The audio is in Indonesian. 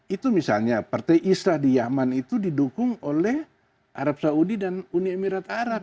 itu misalnya partai islah di yaman itu didukung oleh arab saudi dan uni emirat arab